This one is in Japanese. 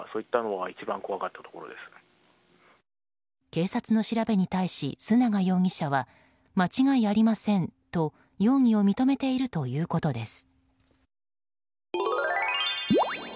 警察の調べに対し須永容疑者は間違いありませんと容疑を認めているということです。